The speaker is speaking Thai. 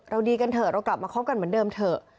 ดีกันเถอะเรากลับมาคบกันเหมือนเดิมเถอะ